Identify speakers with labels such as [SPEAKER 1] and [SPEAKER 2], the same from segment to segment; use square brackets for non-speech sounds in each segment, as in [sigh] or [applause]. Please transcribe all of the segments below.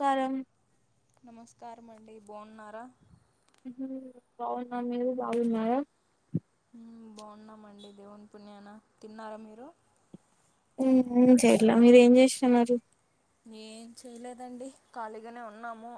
[SPEAKER 1] కారం
[SPEAKER 2] నమస్కారం అండి బావున్నారా
[SPEAKER 1] ఊ బాగున్నాం మీరు బాగున్నార
[SPEAKER 2] ఊ బాగున్నామండి దేవుని పుణ్యాన తిన్నారా మీరు
[SPEAKER 1] ఊ ఊ చేయట్లా మీరు ఏం చేస్తన్నారు
[SPEAKER 2] ఎం చేయలేదండి ఖాళీగానే ఉన్నాము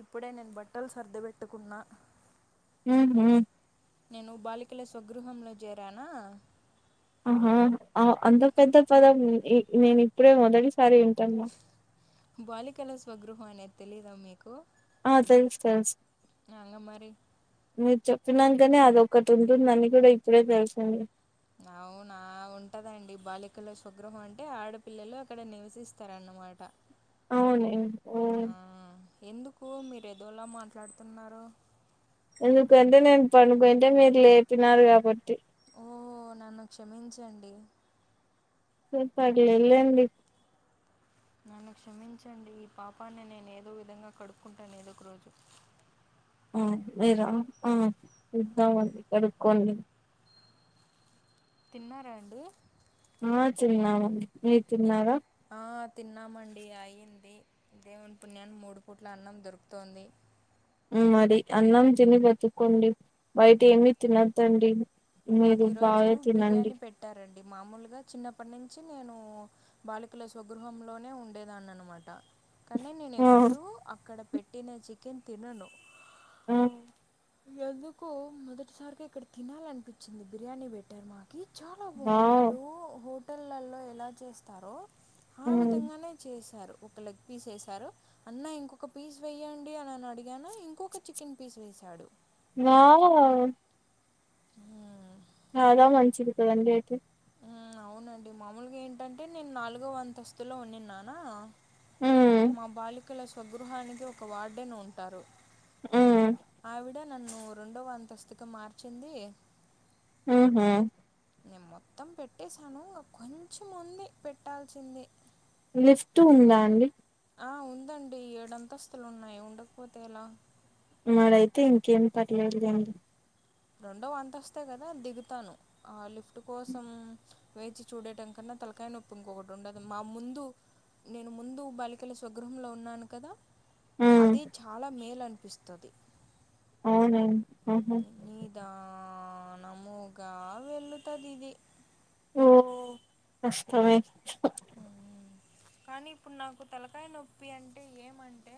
[SPEAKER 2] ఇప్పుడే నేను బట్టలు సర్ది పెట్టుకున్నా
[SPEAKER 1] హుహు
[SPEAKER 2] నేను బాలికల స్వగృహంలో జేరానా
[SPEAKER 1] ఆహా అంత పెద్ద పదం ఇ నేను ఇప్పుడే మొదటిసారి వింటన్నా
[SPEAKER 2] బాలికల స్వగృహం అనేది తెలీదా మీకు
[SPEAKER 1] ఆ తెలుసు తెలుసు
[SPEAKER 2] అంగా మరి
[SPEAKER 1] మీరు చెప్పినా నంక నే అదొఒకటి ఉంటుందని అని గూడా ఇప్పుడే తెలిసింది
[SPEAKER 2] అవునా ఉంటదండి బాలికలో స్వగ్రహం అంటే ఆడపిల్లలు అక్కడ నివసిస్తారన్నమాట
[SPEAKER 1] అవునులెండి ఊ
[SPEAKER 2] ఆ ఎందుకు మీరు ఏదోలా మాట్లాడుతున్నారు
[SPEAKER 1] ఎందుకంటే నేను పనుకుంటే మీరు లేపినారు కాబట్టి
[SPEAKER 2] ఓ నన్ను క్షమించండి
[SPEAKER 1] ఇ పర్లేదు లే అండి
[SPEAKER 2] నన్ను క్షమించండి ఈ పాపాన్ని నేను ఏదో విధంగా కడుక్కుంటాను ఏదో ఒక రోజు
[SPEAKER 1] ఆ మీరు ఆ చూద్దామండి కడుక్కోండి
[SPEAKER 2] తిన్నారా అండి
[SPEAKER 1] ఆ తిన్నామ్ మీర్
[SPEAKER 2] ఏ-
[SPEAKER 1] తిన్నార
[SPEAKER 2] ఆ తిన్నామండి అయింది దేవుని పుణ్యాన మూడు పూట్ల అన్నం దొరుకుతోంది
[SPEAKER 1] మరి అన్నం తిని బతుకోండి బయట ఏమి తినద్దండి మీరు
[SPEAKER 2] మాకు ఈరోజు
[SPEAKER 1] బాగా తినండి
[SPEAKER 2] బిర్యానీ పెట్టారండి మామూలుగా చిన్నప్పటి నుంచి నేను బాలికల స్వగృహంలోనే ఉండేదాని అన్నమాట కానీ నేను
[SPEAKER 1] ఆ
[SPEAKER 2] ఎప్పుడూ అక్కడ పెట్టిన చికెన్ తినను
[SPEAKER 1] ఉ
[SPEAKER 2] ఎందుకొ మొదటిసారిగా ఇక్కడ తినాలనిపించింది బిర్యానీ బెట్టారు మా కి చాలా బాగుంది
[SPEAKER 1] వావ్
[SPEAKER 2] ఇప్పుడు హోటళ్లలో ఎలా చేస్తారో ఆ
[SPEAKER 1] హ్మ్.
[SPEAKER 2] విధంగానే చేశారు ఒక లెగ్ పీస్ వేేశారు అన్న ఇంకొక పీస్ వేయ్యండి అని అని అడిగాను ఇంకొక చికెన్ పీస్ వెసాడు
[SPEAKER 1] నాలను
[SPEAKER 2] అ
[SPEAKER 1] బాగామంచిది కదండిఐతే
[SPEAKER 2] ఊ అవునండి మాములుగా ఏంటంటే నేను నాలుగో అంతస్తులో వున్నిన్నానా
[SPEAKER 1] హ్మ్
[SPEAKER 2] మా బాలికల స్వగృహనికి ఒక వార్డెన్ ఉంటారు
[SPEAKER 1] హ్మ్
[SPEAKER 2] ఆవిడ నన్ను రెండో అంతస్తుకి మార్చింది
[SPEAKER 1] ఉహు
[SPEAKER 2] నేన్ మొత్తం పెట్టేేశాను కొంచెం ఉంది పెట్టాల్సింది
[SPEAKER 1] లిఫ్ట్ ఉందా అండి
[SPEAKER 2] అ ఉందండి ఏడుంతస్తులు ఉన్నయ్ ఉండకపోతే ఎలా
[SPEAKER 1] మరైతే ఇంకేం పర్లేదులేండి
[SPEAKER 2] రెండోఅంతస్తే గదా దిగుతాను ఆ లిఫ్ట్ కోసం వేచి చూడటం కన్నా తలకాయ్ నొప్పు ఇంకొకటి ఉండదు మా ముందు నేనుముందు బాలికల స్వగృహంలో ఉన్నానుకదా
[SPEAKER 1] హ్మ్
[SPEAKER 2] అదిచాలా మేల్ అనిపిస్తది
[SPEAKER 1] అవునా అహా
[SPEAKER 2] నీదానాముగా వెళ్ళుతాదిది
[SPEAKER 1] ఓ కష్టమైతే
[SPEAKER 2] ఉ ఉ కానీ ఇప్పుడు నాకు తలకాయ్ నొప్పి అంటే ఏమంటే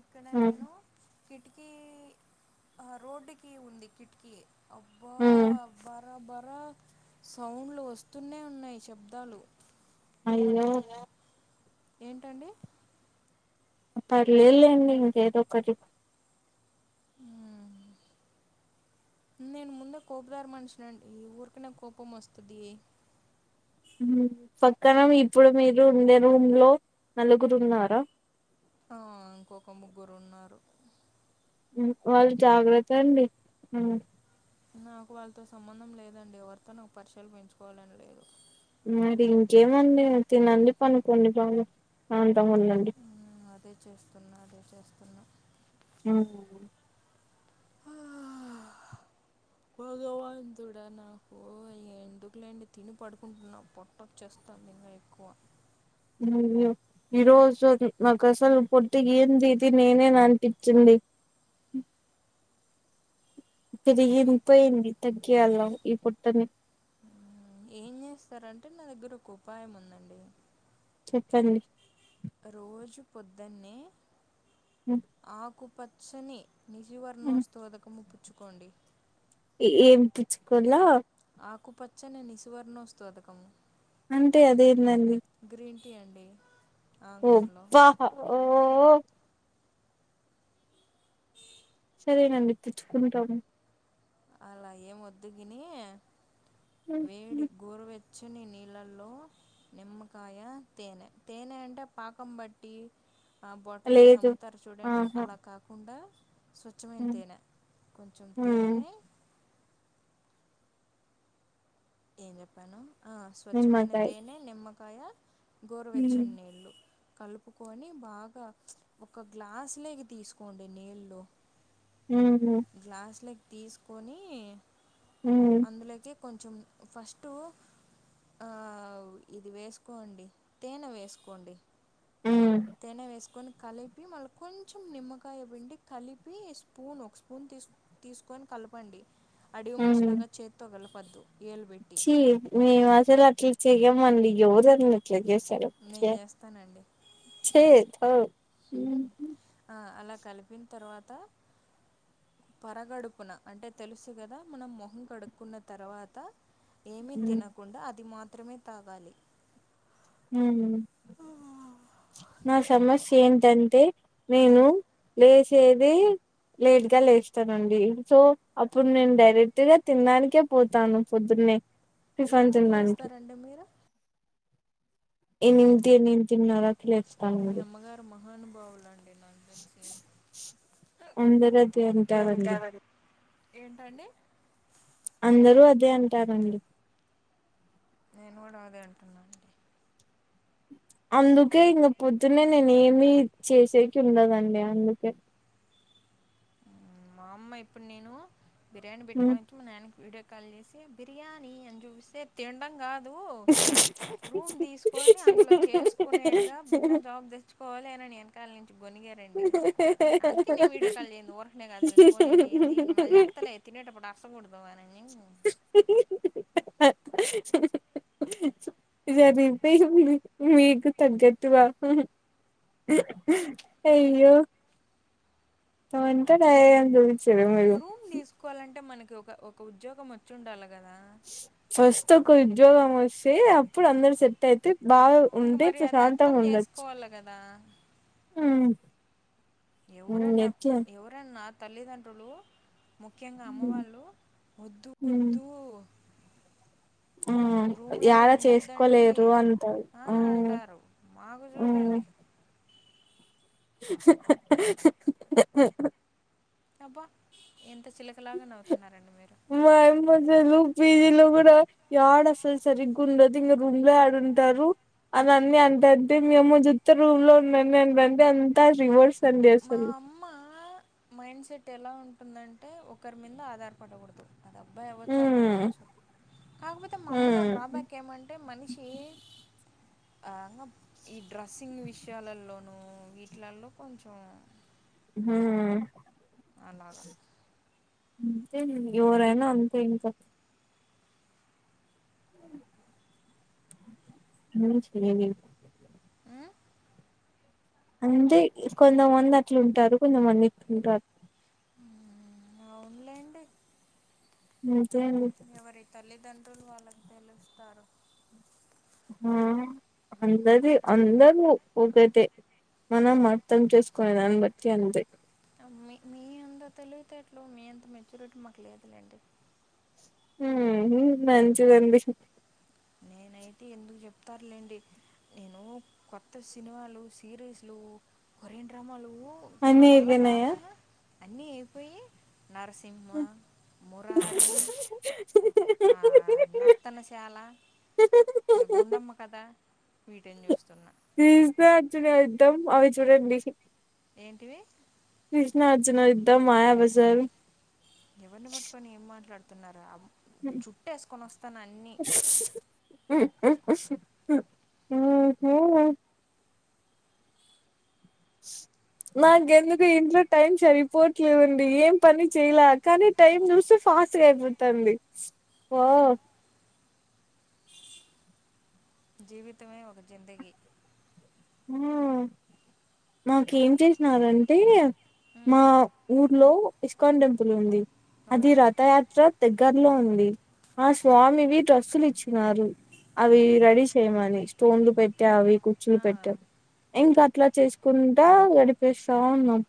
[SPEAKER 2] ఇక్కడ
[SPEAKER 1] హ్మ్
[SPEAKER 2] నేను కిటికీ అ రోడ్డుకి ఉంది కిటికీ అబ్బా
[SPEAKER 1] హ్మ్
[SPEAKER 2] బరా బరా సౌండ్లు వస్తూనే ఉన్నాయ్ శబ్దాలు
[SPEAKER 1] అయ్యో
[SPEAKER 2] ఇంగా ఏంటండి
[SPEAKER 1] పర్లేలేండి ఇంకేదో ఒకటి
[SPEAKER 2] హు నేను ముందే కోప్దార మన్షినండి ఊరికనే కోపం వస్తుది
[SPEAKER 1] ఉ పక్కన ఇప్పుడు మీరుఉండే రూమ్ లో నలుగురున్నారా
[SPEAKER 2] హా ఇంకొక ముగ్గురు ఉన్నారు
[SPEAKER 1] వాళ్ జాగ్రత్త అండి హ
[SPEAKER 2] నాకు వాళ్తో సంబంధం లేదండి ఎవరితో నాకు పరిచలు పెంచుకోవాలని లేదు
[SPEAKER 1] మరి ఇంకేమండి తినండి పనుకోండి బాగా ప్రాంతంగా ఉండండి
[SPEAKER 2] ఉమ్ అదే చేస్తున్నా అదే చేస్తున్నా
[SPEAKER 1] ఉహు
[SPEAKER 2] హా భగవాతుడా నాకు ఎందుకులెండి తిని పడుకుంట్నప్ప వచ్చేస్తోంది ఇంగా ఎక్కువ
[SPEAKER 1] అయ్యౌ ఈరోజు అది నాకఅస్సలు పోట్టిగేందిది నేనేన అన్పిచ్చింది
[SPEAKER 2] మీ
[SPEAKER 1] పెరిగిన్పోయింది తగ్గియల్లా ఇ పొట్టని
[SPEAKER 2] ఏం జెస్తారంటే నాదగ్గర ఒకఉపాయం ఉందండి
[SPEAKER 1] చెప్పండి
[SPEAKER 2] రోజు పొద్దన్నే ఆకుపచ్చని నిజవర్ణోత్సదవకమం ప్పుచ్చుకోండి
[SPEAKER 1] ఏం పుచ్చుకొల్ల
[SPEAKER 2] ఆకుపచ్చని నిసవర్ణోస్తు అదకము
[SPEAKER 1] అంటే అదేందండి
[SPEAKER 2] గ్రీన్ టీ అండి
[SPEAKER 1] ఒ
[SPEAKER 2] ఆంగ్లంలో
[SPEAKER 1] వాహా ఓ సరేనండి పుచ్చుకుంటాము
[SPEAKER 2] అలా ఏం వద్దు గిని వేడి గోరువె చ్చని నీళ్ళల్లో నిమ్మకాయ తేనె తేనె అంటే పాకం బట్టి ఆ బాటిల్ లో ఏసి
[SPEAKER 1] లేదు
[SPEAKER 2] అమ్ముతారు చూడండి
[SPEAKER 1] ఆహా
[SPEAKER 2] అలా కాకుండా స్వచ్ఛమైన తేనె కొంచెం తేనె ఏం చెప్పాను ఆ స్వచ్ఛమైన
[SPEAKER 1] నిమ్మకాయ
[SPEAKER 2] తేనె నిమ్మకాయ గోరువెచ్చని నీళ్ళు కలుపుకొని బాగా ఒక గ్లాస్లోకి తీసుకోండి నీళ్ళు
[SPEAKER 1] ఊహు
[SPEAKER 2] గ్లాస్లకి తీసుకొని
[SPEAKER 1] హ్మ్
[SPEAKER 2] అందులోకి కొంచెం ఫస్టు ఆ ఇది వేసుకోండి తేనె వేసుకోండి
[SPEAKER 1] హ్మ్
[SPEAKER 2] తేనె వేసుకొని కలిపి మళ్ళ కొంచెం నిమ్మకాయ పిండి కలిపి స్పూన్ ఒక స్పూన్ తీసుకు తీసుకొని కలపండి అడివి మనిషి
[SPEAKER 1] హ్మ్
[SPEAKER 2] లాగా చేతితో గలపద్దు ఏలుబెట్టి
[SPEAKER 1] [unintelligible] మేము అసలు అట్లా చెయ్యమండి [unintelligible] అట్లా చేస్
[SPEAKER 2] నేను చేస్తానండి
[SPEAKER 1] ఛీ తు
[SPEAKER 2] ఆ అలా కలిపిన తర్వాత పరగడుపున అంటే తెలుసు కదా మనం మొహం కడుక్కున్న తర్వాత ఏమీ
[SPEAKER 1] హ్మ్
[SPEAKER 2] తినకుండా అది మాత్రమే తాగాలి
[SPEAKER 1] ఉమ్ నా సమస్య ఏంటంటే నేను లేసేదే లేట్ గా లేస్తానండి సో అప్పుడు నేను డైరెక్ట్ గా తినడానికే పోతాను పొద్దున్నే టిఫన్
[SPEAKER 2] ఎంతకి
[SPEAKER 1] తినడానికి
[SPEAKER 2] లేస్తారండి మీరు
[SPEAKER 1] ఎనిమిది ఎనిమిదిన్నర కి లేస్
[SPEAKER 2] మీ అమ్మగారు మహానుభావులుండి నా నాకు తెలిసి
[SPEAKER 1] అందరూ అదే అంటారండి
[SPEAKER 2] ఏంటండి
[SPEAKER 1] అందరూ అదే అంటారండి
[SPEAKER 2] నేను కూడా అదే అంటున్నా అండి
[SPEAKER 1] అందుకే ఇంగ పొద్దునే నేనే ఏమి చేసేకి ఉండదండి అందుకే
[SPEAKER 2] మా అమ్మ ఇప్పుడు నేను బిర్యానీ
[SPEAKER 1] హ్మ్.
[SPEAKER 2] పెట్టుకొని కొని మా నాయనికి వీడియో కాల్ చేసి బిర్యానీ అని చూపిస్తే తినడం కాదు రూమ్ తీసుకొని అందులో చేసుకునేడుగా బిన్నె జాబ్ తెచ్చుకోవాలి అని నేను కాల నుంచి గొనిగారు అండీ అందుకే నేను వీడియో కాల్ [unintelligible] ఊరకనే కాదు మీకు ఫోనే చేయంది నేను మళ్లి చేత్తలే తినేటప్పుడు అరసకూడదు అని అని
[SPEAKER 1] [unintelligible] సరిపోయింది మీకు తగ్గట్టు గా అయ్యో [unintelligible]
[SPEAKER 2] రూమ్ తీసుకోవాలంటే మనకి ఒక ఒక ఉజ్జోగం వచ్చిండాలి కదా
[SPEAKER 1] ఫస్ట్ ఒక ఉద్యోగం వస్తే అప్పుడు అందరు సెట్ అయితే బాగ
[SPEAKER 2] ఇంక
[SPEAKER 1] ఉంటే
[SPEAKER 2] మరి అది అర్థం
[SPEAKER 1] ప్రశాంతంగా ఉండచ్చు
[SPEAKER 2] చేసుకోవాలి కదా ఎవురన్నా ఎవురన్నా తల్లిదండ్రులు ముఖ్యంగా అమ్మ
[SPEAKER 1] ఉమ్,
[SPEAKER 2] వాళ్ళు ఒద్దు
[SPEAKER 1] ఉమ్.
[SPEAKER 2] ఒద్దు
[SPEAKER 1] ఉమ్
[SPEAKER 2] రూమ్లలో
[SPEAKER 1] యాడ
[SPEAKER 2] ఉండద్దండి
[SPEAKER 1] చేసుకోలేరు అంటారు
[SPEAKER 2] ఆ
[SPEAKER 1] ఉమ్
[SPEAKER 2] అంటారు మాకు
[SPEAKER 1] ఉమ్
[SPEAKER 2] చూడండి
[SPEAKER 1] [inaudible]
[SPEAKER 2] అబ్బా ఎంత చిలకలాగా నవ్వుతున్నారండి మీరు
[SPEAKER 1] మా ఆయమ్మ పీజీ లో కూడా యాడ అసలు సరిగ్గా ఉండదు ఇంగ రూమ్ లో యాడుంటారు అని అన్నీ అంటాంటే మీ అమ్మ జూతె రూంలో ఉండండి అంటాంటె అంతా రివర్స్ అండి
[SPEAKER 2] మా
[SPEAKER 1] అసలు
[SPEAKER 2] అమ్మ మైండ్ సెట్ ఎలా ఉంటుందంటే ఒకరి మీద ఆధార పడకూడదు అది అబ్బాయి అవ్వచ్చు అమ్మాయి
[SPEAKER 1] ఉమ్
[SPEAKER 2] అవ్వచ్చు కాకపోతే మా అమ్మలో
[SPEAKER 1] ఉమ్
[SPEAKER 2] డ్రాబ్యాక్ ఏమంటే అంటే మనిషి ఆ ఈ డ్రెస్సింగ్ విషయాలలోనూ వీటిలల్లో కొంచెం
[SPEAKER 1] ఉ
[SPEAKER 2] అలాగ
[SPEAKER 1] అంతే ఎవరైనా అంతే ఇంక ఎం చెయ్యలేం
[SPEAKER 2] ఆ
[SPEAKER 1] అంతె కొంతమంది అట్లుంటారు కొంతమంది ఇట్లుంటారు
[SPEAKER 2] ఊ అవునులేండి
[SPEAKER 1] అంతె అండి
[SPEAKER 2] ఎవరి తల్లిదండ్రులు వాళ్ళకి తెలుస్తారు
[SPEAKER 1] ఆ అందది అందరూ ఒకటే మనం అర్థం చేసుకునే దాన్ని బట్టి అంతే
[SPEAKER 2] మీ మీ అంత తెలివి తేట్లు మీ అంత మెచ్యూరిటీ మాకు లేదులేండి
[SPEAKER 1] మంచిదండి
[SPEAKER 2] నేనైతే ఎందుకు చెప్తారులేండి నేను కొత్త సినిమాలు సిరీస్లు కొరియర్ డ్రామాలు ఇక నా
[SPEAKER 1] అన్ని
[SPEAKER 2] వల్ల కాక
[SPEAKER 1] అయిపోయినాయా
[SPEAKER 2] అన్నీ అయిపోయి నరసింహ మురారీ ఆ నర్తనశాల
[SPEAKER 1] స
[SPEAKER 2] గుండమ్మ కథ వీటని చూస్తున్నా
[SPEAKER 1] కృష్ణార్జున యుద్ధం అవి చూడండి
[SPEAKER 2] ఏంటివి
[SPEAKER 1] కృష్ణార్జున యుద్ధం మాయాబజారు
[SPEAKER 2] ఎవరిని పట్టుకొని ఏం మాట్లాడుతున్నారుర చుట్టేసుకొని వస్తాను అన్ని
[SPEAKER 1] ఒకే నాకేందుకు ఇంట్లో టైం సరిపోవట్లేదుండి ఏం పని చేయలే కానీ టైమ్ చూస్తే ఫాస్ట్ గా అయిపోతుంది ఓ
[SPEAKER 2] జీవితమే ఒక జిందగి
[SPEAKER 1] మాకేం చేసినారంటే మా
[SPEAKER 2] ఉమ్,
[SPEAKER 1] ఊర్లో ఇస్కాన్ టెంపుల్ ఉంది
[SPEAKER 2] ఓ
[SPEAKER 1] అది రథయాత్ర దగ్గరలో ఉంది ఆ స్వామివి డ్రస్సులు ఇచ్చి అవి రెడీ చేయమని స్టోన్లు పెట్టా అవి కుర్చులు
[SPEAKER 2] ఆ,
[SPEAKER 1] పెట్ట ఇంకా అట్లా చేసుకుంటా గడిపేస్తాన్నాం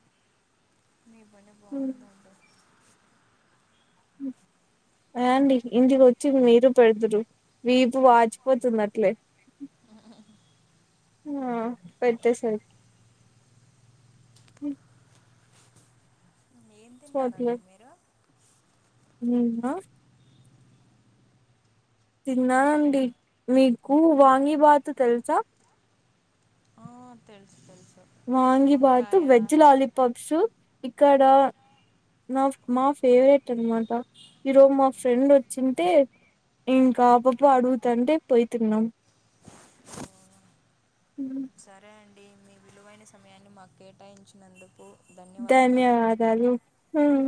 [SPEAKER 2] మీ పని బాగుందండి
[SPEAKER 1] రా అండి ఇంటికి వచ్చి మీరు పెడతురు వీపు వాచిపోతుంది అట్లే
[SPEAKER 2] ఆ
[SPEAKER 1] ఆ పెట్టెసారు
[SPEAKER 2] ఏం తిన్నారండి మీరు
[SPEAKER 1] నేనా తిన్నానండి మీకు వాంగీ బాత్ తెలుసా
[SPEAKER 2] ఆ తెలుసు తెలుసు
[SPEAKER 1] వాంగిబాతు
[SPEAKER 2] వంకాయ
[SPEAKER 1] వెజ్ లాలీపాప్స్ ఇక్కడ
[SPEAKER 2] ఓ
[SPEAKER 1] నా మా ఫేవరెట్ అన్నమాట ఈరోజు మా ఫ్రెండ్ వచ్చింటే ఇంకా ఆ పాప అడుగుతాంటే పోయి తిన్నాం ఉమ్
[SPEAKER 2] సరే అండి మీ విలువైన సమయాన్ని మాకు కేటాయించినందుకు ధన్యవాదములు
[SPEAKER 1] ధన్యవాదాలు ఉమ్